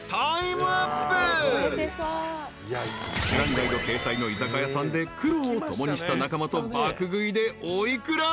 ［『ミシュランガイド』掲載の居酒屋さんで苦労を共にした仲間と爆食いでお幾ら？］